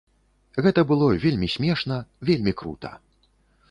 Гэта было вельмі смешна, вельмі крута.